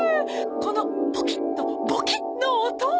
この「ポキッ」と「ボキッ」の音！